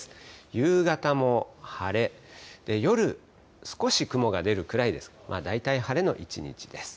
夕方も晴れ、夜、少し雲が出るくらいですから、大体晴れの一日です。